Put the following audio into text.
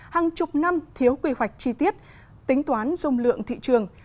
hàng chục năm thiếu quy hoạch chi tiết tính toán dung lượng thị trường